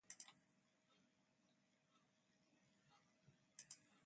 う ｍ ぬ ｊｎ